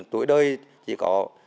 tuổi đôi chỉ có